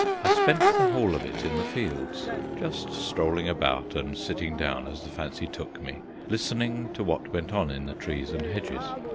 I spent the whole of it in the fields just strolling about and sitting down, as the fancy took me, listening to what went on in the trees and hedges.